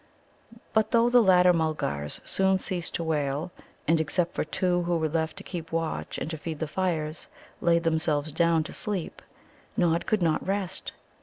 But though the Ladder mulgars soon ceased to wail, and, except for two who were left to keep watch and to feed the fires, laid themselves down to sleep, Nod could not rest.